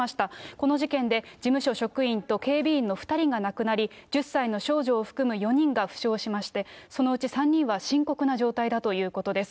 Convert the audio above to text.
この事件で事務所職員と警備員の２人が亡くなり、１０歳の少女を含む４人が負傷しまして、そのうち３人は深刻な状態だということです。